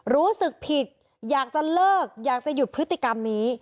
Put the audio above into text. รู้สึกผิดอยากจะเลิกอยากจะหยุดพฤติกรรมนี้